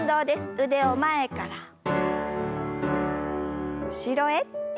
腕を前から後ろへ。